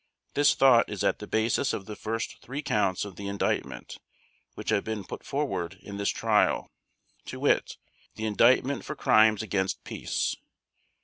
This thought is at the basis of the first three counts of the Indictment which have been put forward in this Trial, to wit, the Indictment for Crimes against Peace.